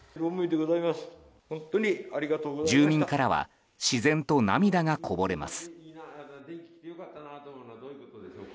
住民からは自然と涙がこぼれます。